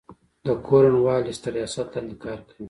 د کورن والیس تر ریاست لاندي کار کوي.